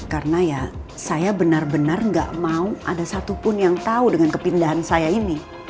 karena ya saya benar benar enggak mau ada satupun yang tahu dengan kepindahan saya ini